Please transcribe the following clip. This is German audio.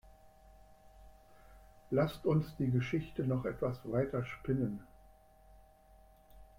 Lasst uns die Geschichte noch etwas weiter spinnen.